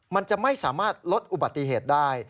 มันจะไม่สามารถลดอุบัติเหตุได้